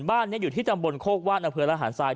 บ้านนี้อยู่ที่จังบรณาโครกว่านอพิวรหาศาสตร์